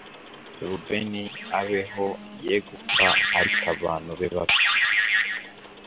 Rubeni abeho ye gupfa Ariko abantu be bapfe